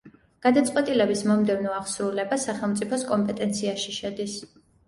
გადაწყვეტილების მომდევნო აღსრულება სახელმწიფოს კომპეტენციაში შედის.